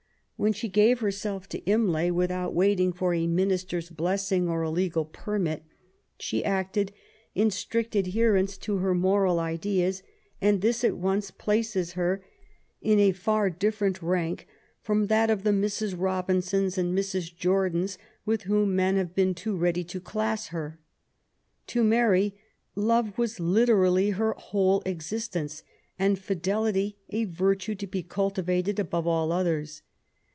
When she gave herself to Imlay without wait ing for a minister's blessing or a legal permit, she acted in strict adherence to her moral ideals ; and this at once places her in a far difierent rank from that of the Mrs. Robinsons and Mrs. Jordans, with whom men have been too ready to class her. To Mary love was literally her whole existence^ and fidelity a virtue to be cultivated above all others.